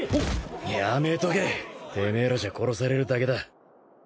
やめとけてめえらじゃ殺されるだけだ。